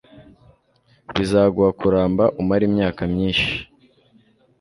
bizaguha kuramba umare imyaka myinshi